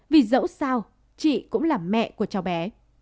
vì dẫu sao chị cũng là mẹ của cháu bé